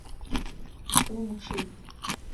Vumıççıy!